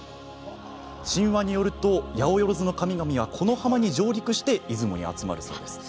神話によるとやおよろずの神々はこの浜に上陸して出雲に集まるそう。